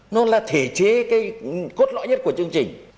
nó là thể chế cái cốt lõi nhất của chương trình